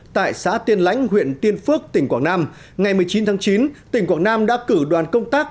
tại xã tiên lãnh huyện tiên phước tỉnh quảng nam ngày một mươi chín tháng chín tỉnh quảng nam đã cử đoàn công tác